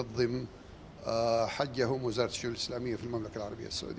dalam hajjahum wazarat syi'un al islamiyah di al mamlaka al arabiyah saudi